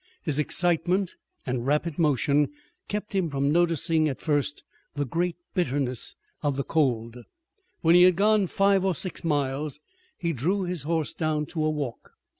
His excitement and rapid motion kept him from noticing at first the great bitterness of the cold. When he had gone five or six miles he drew his horse down to a walk.